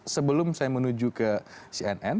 sebelum saya menuju ke cnn